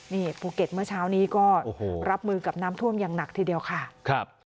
นี่ภูเก็ตเมื่อเช้านี้ก็รับมือกับน้ำท่วมอย่างหนักทีเดียวค่ะครับ